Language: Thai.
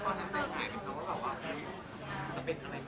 เลยเขาบอกว่า